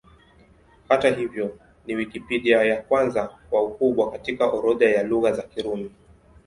Hata hivyo, ni Wikipedia ya kwanza kwa ukubwa katika orodha ya Lugha za Kirumi.